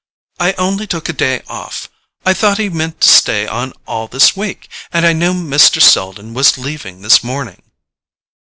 "I only took a day off—I thought he meant to stay on all this week, and I knew Mr. Selden was leaving this morning."